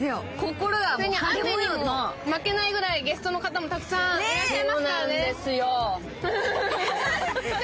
雨に負けないぐらい、ゲストの方もたくさんいらっしゃいますからね。